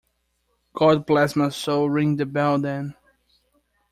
God bless my soul, ring the bell, then.